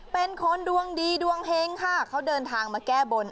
เป็นคนดวงดีดวงเฮงค่ะเขาเดินทางมาแก้บน